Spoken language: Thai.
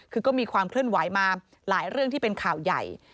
คือก็มีความเคลื่อนไหวมาหลายเรื่องที่เป็นข่าวใหญ่